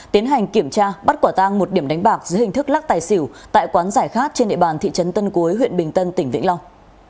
tiến hành kiểm tra bắt quả tang một điểm đánh bạc dưới hình thức lắc tài xỉu tại quán giải khát trên địa bàn thị trấn tân cuối huyện bình tân tỉnh vĩnh long